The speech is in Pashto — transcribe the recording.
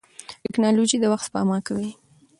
ټکنالوژي د وخت سپما کوي.